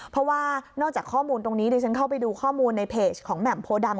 เพราะว่านอกจากข้อมูลตรงนี้ดิฉันเข้าไปดูข้อมูลในเพจของแหม่มโพดำ